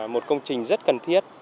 một công trình rất cần thiết